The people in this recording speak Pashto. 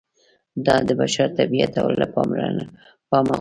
دا د بشر طبیعت له پامه غورځوي